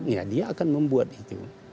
ya dia akan membuat itu